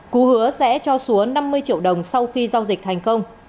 cú hứa sẽ cho xúa năm mươi triệu đồng sau khi giao dịch thành công